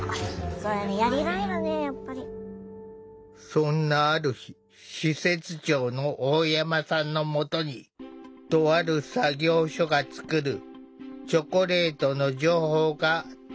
そんなある日施設長の大山さんのもとにとある作業所が作るチョコレートの情報が飛び込んできた。